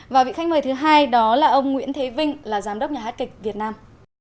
và vị khách mời thứ hai đó là ông nguyễn thế vinh là giám đốc nhà hát kịch việt nam